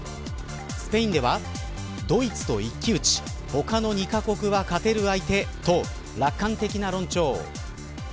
スペインではドイツと一騎打ち他の２カ国は勝てる相手と楽観的な論調。